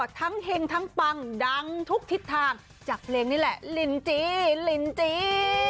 อ๋อทั้งเฮงทั้งปังดังทุกทิศทางจากเพลงนี้แหละลินจี้ลินจี้